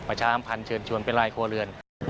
ประชาอำพันธ์เชิญชวนเป็นลายครัวเรือน